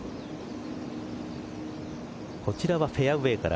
こちらはフェアウエーから。